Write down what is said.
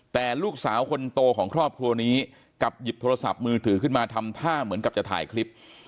แต่ลูกสาวคนโตของครอบครัวนี้กลับหยิบโทรศัพท์มือถือขึ้นมาทำท่าเหมือนกับจะถ่ายคลิป